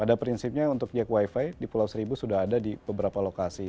pada prinsipnya untuk jak wifi di pulau seribu sudah ada di beberapa lokasi